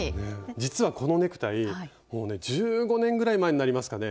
実はこのネクタイもうね１５年ぐらい前になりますかね。